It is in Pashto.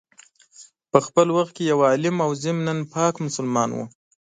په خپل وخت کي یو عالم او ضمناً پاک مسلمان وو.